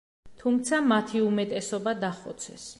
თუმცა მათი უმეტესობა დახოცეს.